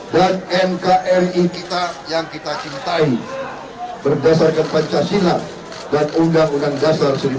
dan nkri kita yang kita cintai berdasarkan pancasila dan undang undang dasar seribu sembilan ratus empat puluh lima